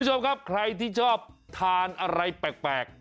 คุณผู้ชมครับใครที่ชอบทานอะไรแปลก